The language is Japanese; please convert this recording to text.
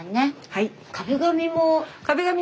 はい。